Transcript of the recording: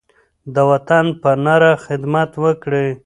د وطن په نره خدمت وکړئ.